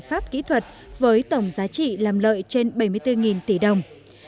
pháp kỹ thuật với tổng giá trị làm lợi trên bảy mươi bốn tỷ đồng